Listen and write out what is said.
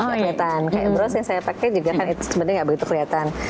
kemacetan kayak bros yang saya pakai juga kan itu sebenarnya nggak begitu kelihatan